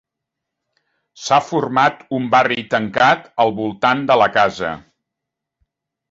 S'ha format un barri tancat al voltant de la casa.